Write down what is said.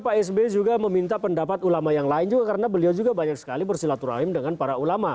pak sby juga meminta pendapat ulama yang lain juga karena beliau juga banyak sekali bersilaturahim dengan para ulama